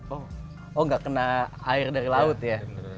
oh nggak kena air dari laut ya